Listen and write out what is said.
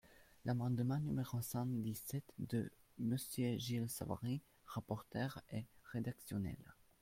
L’amendement numéro cent dix-sept de Monsieur Gilles Savary, rapporteur, est rédactionnel.